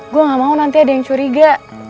gue gak mau nanti ada yang curiga